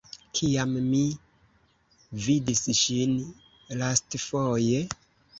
Kiam mi vidis ŝin lastfoje?